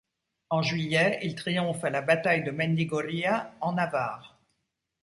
En juillet il triomphe à la bataille de Mendigorría, en Navarre.